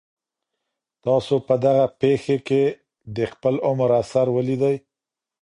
تاسي په دغه پېښي کي د خپل عمر اثر ولیدی؟